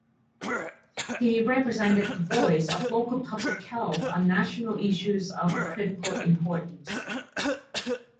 He represented the voice of local public health on national issues of critical importance.